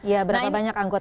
ya berapa banyak anggota